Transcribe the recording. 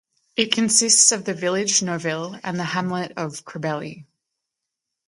It consists of the village of Noville and the hamlet of Crebelley.